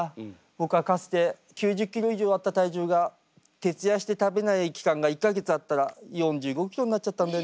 僕はかつて９０キロ以上あった体重が徹夜して食べない期間が１か月あったら４５キロになっちゃったんだよね。